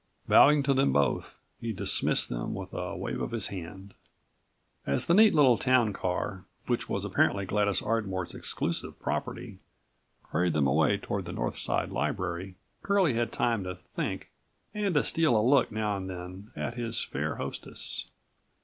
Bowing to them both, he dismissed them with a wave of his hand. As the neat little town car, which was apparently Gladys Ardmore's exclusive property, hurried them away toward the north side library, Curlie had time to think and to steal a look now and then at his fair hostess.